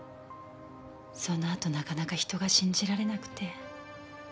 そのあとなかなか人が信じられなくて。